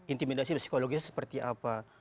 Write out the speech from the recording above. intimidasi psikologisnya seperti apa